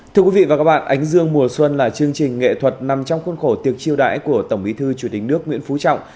thưa quý vị và các bạn ánh dương mùa xuân là chương trình nghệ thuật nằm trong khuôn khổ tiệc chiêu đãi của tổng bí thư chủ tịch nước nguyễn phú trọng